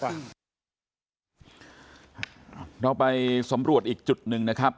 เราไปสำรวจอีกจุดหนึ่งนะครับ